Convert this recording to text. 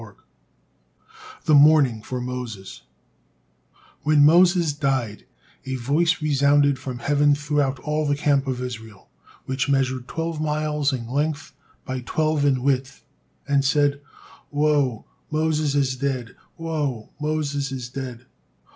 THE MOURNING FOR MOSES When Moses died, a voice resounded from heaven throughout all the camp of Israel, which measured twelve miles in length by twelve in width, and said, "Woe! Moses is dead. Woe! Moses is dead."